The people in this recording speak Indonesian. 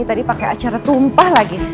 tadi pakai acara tumpah lagi